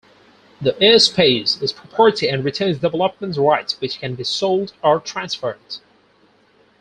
The Airspace is property and retains Developmental rights which can be sold or transferred.